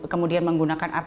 kemudian menggunakan art and art